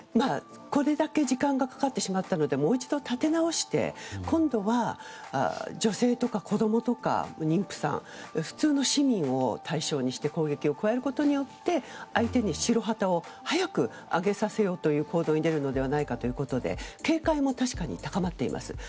これだけ時間がかかってしまったのでもう一度立て直して今度は女性とか子供とか妊婦さん普通の市民を対象にして攻撃を加えることによって相手に白旗を早く上げさせようという行動に出るのではないかということで警戒も高まっています。